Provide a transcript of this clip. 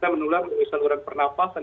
menulang saluran pernafasan